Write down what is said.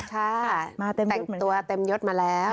ใช่มาเต็มตัวเต็มยดมาแล้ว